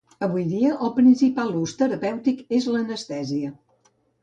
Avui en dia, el principal ús terapèutic és l'anestèsia.